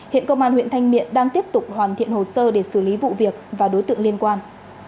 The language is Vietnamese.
hiện công an huyện thanh miện đang tiếp tục hoàn thiện hồ sơ để xử lý vụ việc và đối tượng liên quan